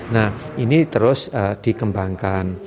nah ini terus dikembangkan